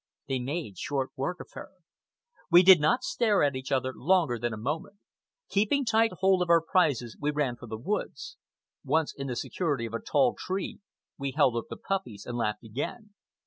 They made short work of her. We did not stare at each other longer than a moment. Keeping tight hold of our prizes, we ran for the woods. Once in the security of a tall tree, we held up the puppies and laughed again.